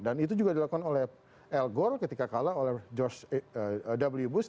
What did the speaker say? dan itu juga dilakukan oleh al gore ketika kalah oleh george w bush